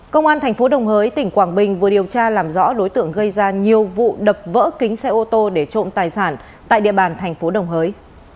công an tp đồng hới tỉnh quảng bình vừa điều tra làm rõ đối tượng gây ra nhiều vụ đập vỡ kính xe ô tô để trộm tài sản tại địa bàn thành phố đồng hới